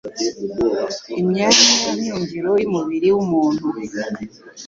imyanya myumviro y'umubiri w'umuntu